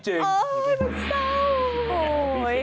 โอ้โฮมันเศร้า